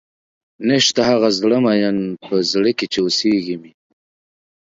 نيشته هغه زړۀ ميئن پۀ زړۀ کښې چې اوسېږي مې